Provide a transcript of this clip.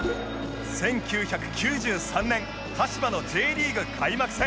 １９９３年鹿島の Ｊ リーグ開幕戦